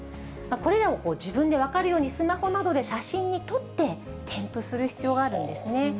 これらを自分で分かるように、スマホなどで写真に撮って、添付する必要があるんですね。